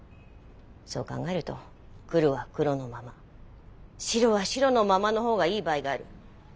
そう考えると黒は黒のまま白は白のままの方がいい場合がある。